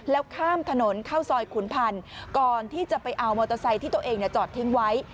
แล้วข้ามถนนเข้าซอยขุนพันธ์ก่อนที่จะไปเอามอเตอร์ไซค์ที่ตัวเองจอดทิ้งไว้